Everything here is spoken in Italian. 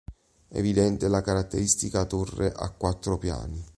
Evidente la caratteristica torre a quattro piani.